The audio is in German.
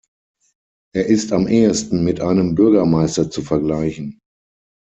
Er ist am ehesten mit einem Bürgermeister zu vergleichen.